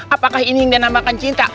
apakah ini yang dinamakan cinta